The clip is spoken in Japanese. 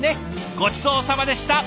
ごちそうさまでした！